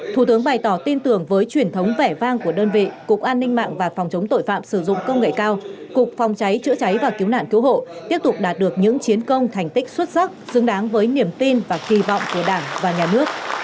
thủ tướng bày tỏ tin tưởng với truyền thống vẻ vang của đơn vị cục an ninh mạng và phòng chống tội phạm sử dụng công nghệ cao cục phòng cháy chữa cháy và cứu nạn cứu hộ tiếp tục đạt được những chiến công thành tích xuất sắc xứng đáng với niềm tin và kỳ vọng của đảng và nhà nước